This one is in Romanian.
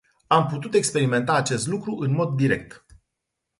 Am putut experimenta acest lucru în mod direct.